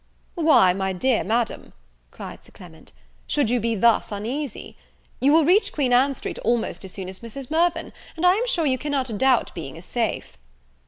"Why, my dear madam," cried Sir Clement, "should you be thus uneasy? you will reach Queen Ann Street almost as soon as Mrs. Mirvan, and I am sure you cannot doubt being as safe."